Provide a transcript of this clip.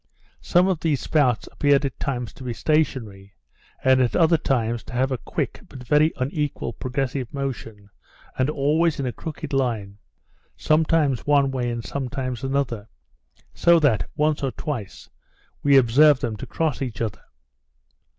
Some of these spouts appeared at times to be stationary; and at other times to have a quick but very unequal progressive motion, and always in a crooked line, sometimes one way and sometimes another; so that, once or twice, we observed them to cross one another.